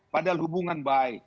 padahal hubungan baik